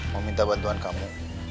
mau minta bantuan kamu